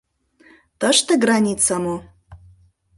Тыште граница мо?